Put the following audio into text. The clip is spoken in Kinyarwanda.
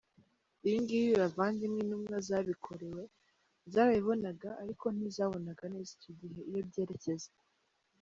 Ibi ngibi bavandimwe Intumwa zabikorewe, zarabibonaga, ariko ntizabonaga neza icyo gihe iyo byerekeza.